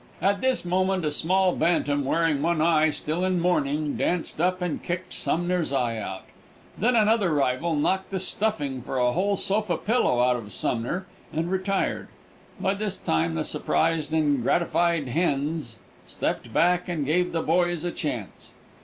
At this moment a small bantam wearing one eye still in mourning danced up and kicked Sumner's eye out. Then another rival knocked the stuffing for a whole sofa pillow out of Sumner, and retired. By this time the surprised and gratified hens stepped back and gave the boys a chance.